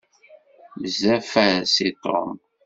Bezzaf-as i Tom.